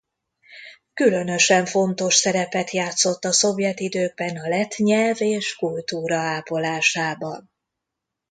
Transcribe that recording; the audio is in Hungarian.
Különösen fontos szerepet játszott a szovjet időkben a lett nyelv és kultúra ápolásában.